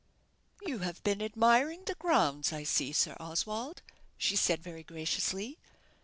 "You have been admiring the grounds, I see, Sir Oswald," she said, very graciously.